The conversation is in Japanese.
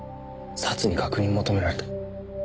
サツに確認求められた。